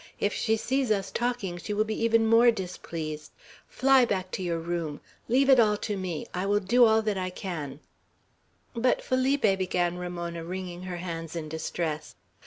If she sees us talking, she will be even more displeased. Fly back to your room. Leave it all to me. I will do all that I can." "But, Felipe," began Ramona, wringing her hands in distress.